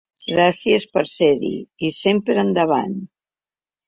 Gràcies per ser-hi i Sempre endavant!